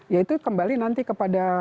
ya itu kembali nanti kepada